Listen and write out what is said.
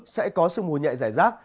sẽ có sương mù nhẹ giải rác